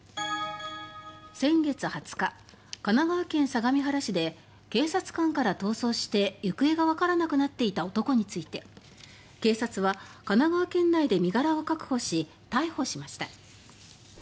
先月２０日、神奈川県相模原市で警察官から逃走して行方がわからなくなっていた男について警察は神奈川県内で身柄を確保し逮捕しました。